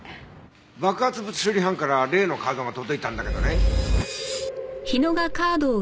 爆発物処理班から例のカードが届いたんだけどね。